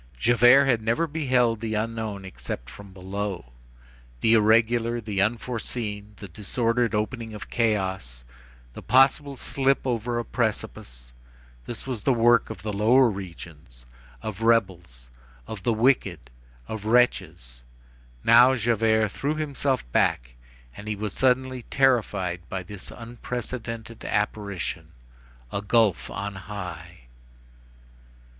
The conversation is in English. Javert had never beheld the unknown except from below. The irregular, the unforeseen, the disordered opening of chaos, the possible slip over a precipice—this was the work of the lower regions, of rebels, of the wicked, of wretches. Now Javert threw himself back, and he was suddenly terrified by this unprecedented apparition: a gulf on high.